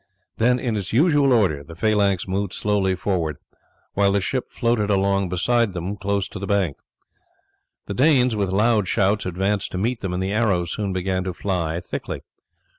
Then in its usual order the phalanx moved slowly forward while the ship floated along beside them close to the bank. The Danes with loud shouts advanced to meet them, and the arrows soon began to fly thickly.